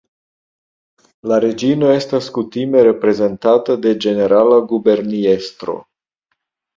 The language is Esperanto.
La Reĝino estas kutime reprezentata de Ĝenerala Guberniestro.